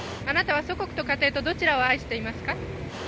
あなたは祖国と家庭とどちらを愛していますか？